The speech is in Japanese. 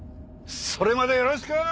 それまでよろしく！